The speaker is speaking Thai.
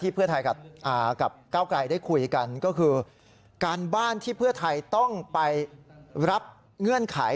เพื่อไทยกับก้าวไกลได้คุยกันก็คือการบ้านที่เพื่อไทยต้องไปรับเงื่อนไข